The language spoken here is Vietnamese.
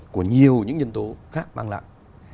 của nhiều những nhân tố khác mang lại